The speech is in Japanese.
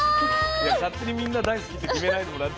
いや勝手に「みんな大好き」って決めないでもらっていいですか。